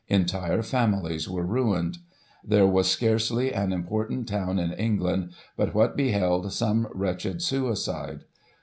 Entire families were ruined. There was scarcely an important town in England but what beheld some wretched suicide.